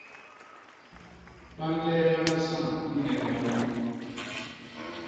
Ba nleegana sañ ni ññem mau.